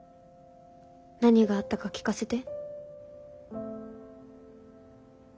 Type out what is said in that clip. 何があったか聞かせて。